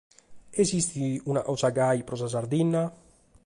Esistit una cosa gasi pro sa Sardigna?